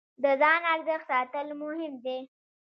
د ځان ارزښت ساتل مهم دی.